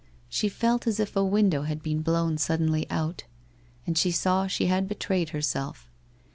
She felt as if a window had been blown suddenly out. And she taw she had betrayed herself.